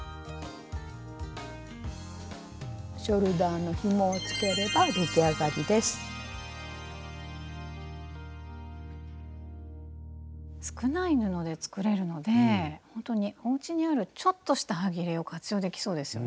ショルダーのひもをつければ少ない布で作れるのでほんとにおうちにあるちょっとしたはぎれを活用できそうですよね。